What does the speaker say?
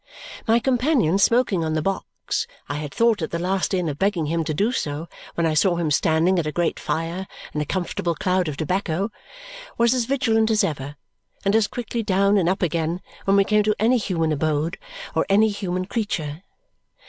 My companion smoking on the box I had thought at the last inn of begging him to do so when I saw him standing at a great fire in a comfortable cloud of tobacco was as vigilant as ever and as quickly down and up again when we came to any human abode or any human creature.